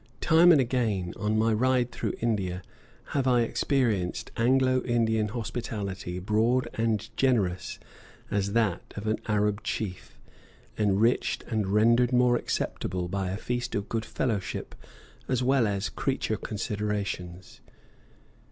Time and again, on my ride through India, have I experienced Anglo Indian hospitality broad and generous as that of an Arab chief, enriched and rendered more acceptable by a feast of good fellowship as well as creature considerations.